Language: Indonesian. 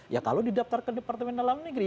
ya kalau didaftar ke departemen dalam negeri